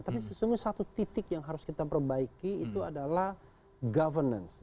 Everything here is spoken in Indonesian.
tapi sesungguhnya satu titik yang harus kita perbaiki itu adalah governance